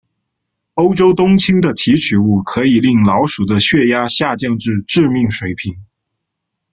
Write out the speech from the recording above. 欧洲冬青的提取物可以令老鼠的血压下降至致命水平。